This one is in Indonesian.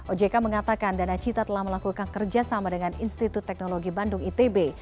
ojk mengatakan dana cita telah melakukan kerjasama dengan institut teknologi bandung itb